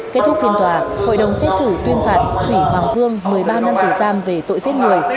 kết thúc phiên tòa hội đồng xét xử tuyên phản thủy hoàng vương một mươi ba năm tủ giam về tội giết người